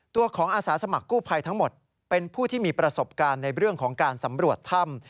ตัวของอาสาสมัครกู้ภัยทั้งหมดเป็นผู้ที่มีประสบการณ์ในเรื่องของการสำรวจถ้ำ